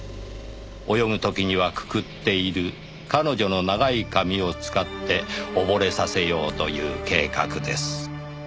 「泳ぐ時にはくくっている彼女の長い髪を使って溺れさせようという計画です」